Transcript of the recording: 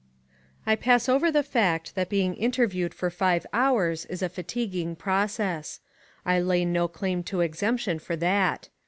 I pass over the fact that being interviewed for five hours is a fatiguing process. I lay no claim to exemption for that.